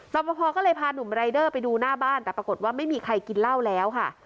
ประพอก็เลยพาหนุ่มรายเดอร์ไปดูหน้าบ้านแต่ปรากฏว่าไม่มีใครกินเหล้าแล้วค่ะ